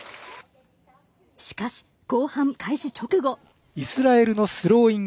しかし後半、開始直後。